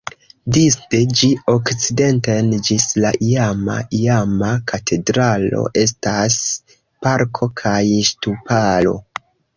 Disde ĝi okcidenten ĝis la iama iama katedralo estas parko kaj ŝtuparo.